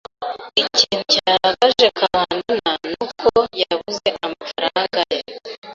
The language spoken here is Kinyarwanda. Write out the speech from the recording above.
Ikintu cyarakaje Kabandana nuko yabuze amafaranga ye .